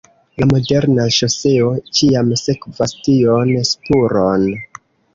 La moderna ŝoseo ĉiam sekvas tion spuron.